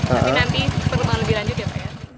tapi nanti perlumuran lebih lanjut ya pak ya